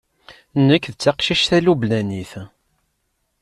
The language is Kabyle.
Nekk d taqcict talubnanit.